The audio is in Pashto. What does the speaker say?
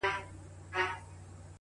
څو څو ځله کښته پورته وروسته وړاندي!!